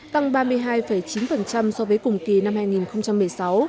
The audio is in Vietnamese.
tăng ba mươi hai chín so với cùng kỳ năm hai nghìn một mươi sáu